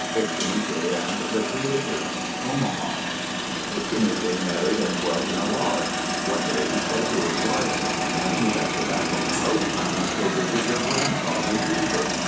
ICTINIKE AND THE CREATORS Omaha Ictinike married and dwelt in a lodge. One day he said to his wife, "Hand me that tobacco pouch. I must go visit your grandfather, Beaver."